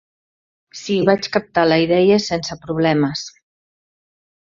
Sí, vaig captar la idea sense problemes.